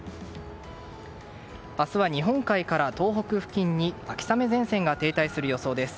明日は日本海から東北付近に秋雨前線が停滞する予想です。